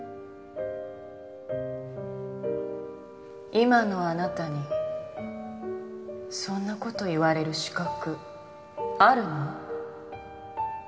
今のあなたにそんなこと言われる資格あるの？